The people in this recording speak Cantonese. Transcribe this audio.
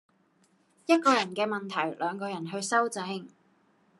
一個人嘅問題，兩個人去修正